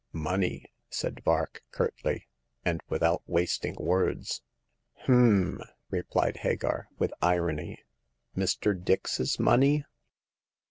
*' Money !" said Vark, curtly, and without wasting words. " H'm !" replied Hagar, with irony. " Mr. Dix's money